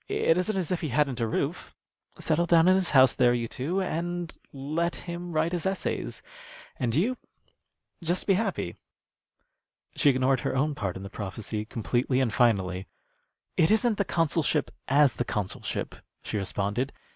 It isn't as if he hadn't a roof. Settle down in his house there, you two, and let him write his essays, and you just be happy." She ignored her own part in the prophecy completely and finally. "It isn't the consulship as the consulship," she responded.